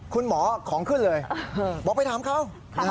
คุณหมอของขึ้นเลยบอกไปถามเขา